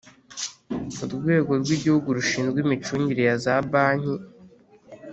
Urwego Rw igihugu rushinzwe imicungire ya za bank